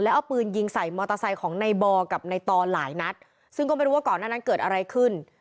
เอาปืนยิงใส่มอเตอร์ไซค์ของในบอกับในตอนหลายนัดซึ่งก็ไม่รู้ว่าก่อนหน้านั้นเกิดอะไรขึ้น